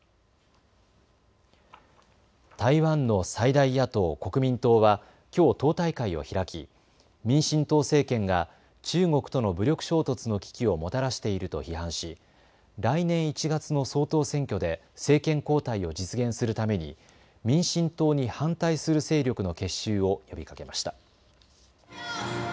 台湾の最大野党・国民党はきょう党大会を開き、民進党政権が中国との武力衝突の危機をもたらしていると批判し来年１月の総統選挙で政権交代を実現するために民進党に反対する勢力の結集を呼びかけました。